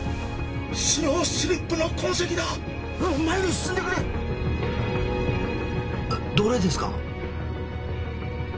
スロースリップの痕跡だ前に進んでくれどれですか？